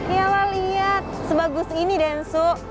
ya lah lihat sebagus ini densu